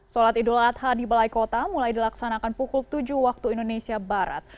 sholat idul adha di balai kota mulai dilaksanakan pukul tujuh waktu indonesia barat